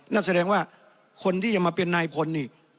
นั่นแสดงว่าคนที่จะมาเป็นนายพลนี่